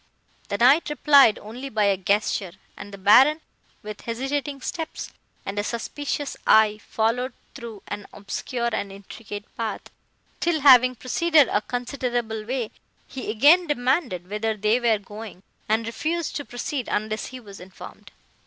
The Knight replied only by a gesture, and the Baron, with hesitating steps and a suspicious eye, followed through an obscure and intricate path, till, having proceeded a considerable way, he again demanded whither they were going, and refused to proceed unless he was informed.